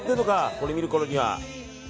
これ見るころには。